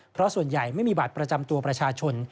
เพราะส่วนใหญ่ไม่มีบัตรประจำตัวประชาชน